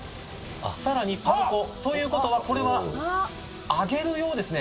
さらにパン粉ということはこれは揚げるようですね